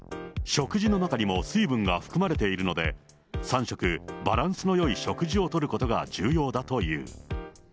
食事の中にも水分が含まれているので、３食バランスのよい食事をとることが重要だという。